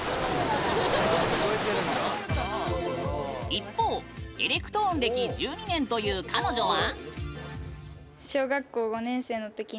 一方、エレクトーン歴１２年という彼女は？